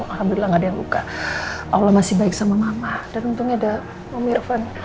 alhamdulillah gak ada yang luka allah masih baik sama mama dan untungnya ada om irfan